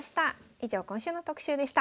以上今週の特集でした。